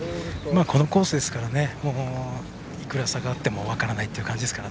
このコースですからいくら下がっても分からないという感じですから。